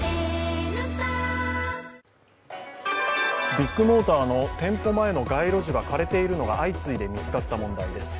ビッグモーターの店舗前の街路樹が枯れているのが相次いで見つかった問題です。